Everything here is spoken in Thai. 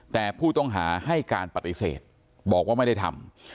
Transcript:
แต่ผู้ต้องหาให้การปฏิเสธบอกว่าไม่ได้ทำ